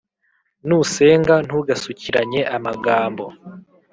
nusenga, ntugasukiranye amagambo